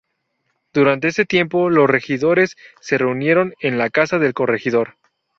Durante ese tiempo, los regidores se reunieron en la casa del Corregidor.